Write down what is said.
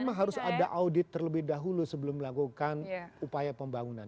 memang harus ada audit terlebih dahulu sebelum melakukan upaya pembangunan